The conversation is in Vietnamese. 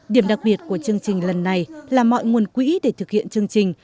điểm đặc biệt của chương trình lần này là mọi nguồn quỹ để thực hiện chương trình